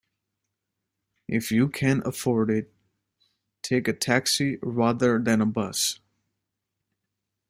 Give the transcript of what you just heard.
If you can afford it, take a taxi rather than a bus